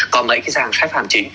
có mấy dàng sai phạm chính